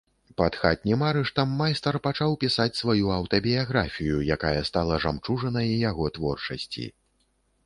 Пад хатнім арыштам майстар пачаў пісаць сваю аўтабіяграфію, якая стала жамчужынай яго творчасці.